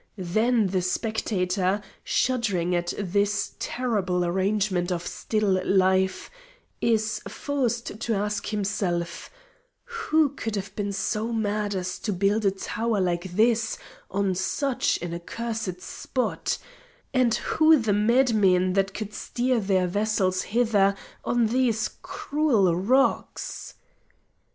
Then the spectator, shuddering at this terrible arrangement of still life, is forced to ask himself, "Who could have been so mad as to build a tower like this on such an accursed spot, and who the madmen that could steer their vessels hither on these cruel rocks?"